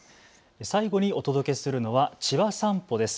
最後にお届けするのはちばさんぽです。